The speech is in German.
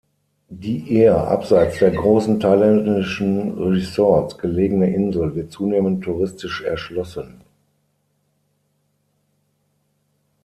Die eher abseits der großen thailändischen Resorts gelegene Insel wird zunehmend touristisch erschlossen.